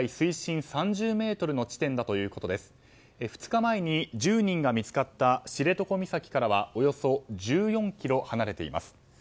２日前に１０人が見つかった知床岬からはおよそ１４ｋｍ離れています。